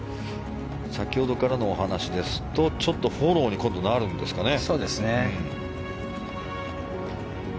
先ほどからのお話ですとちょっとフォローにそうですね。